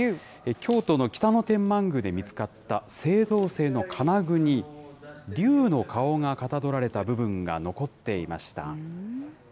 京都の北野天満宮で見つかった、青銅製の金具に、竜の顔がかたどられた部分が残っていました。